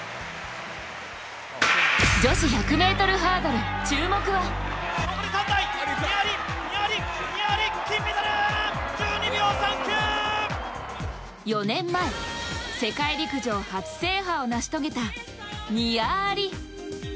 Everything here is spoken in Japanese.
女子１００ｍハードル、注目は４年前、世界陸上初制覇を成し遂げた、ニア・アリ。